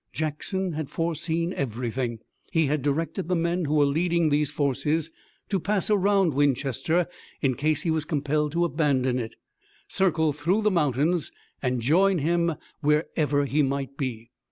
Jackson had foreseen everything. He had directed the men who were leading these forces to pass around Winchester in case he was compelled to abandon it, circle through the mountains and join him wherever he might be.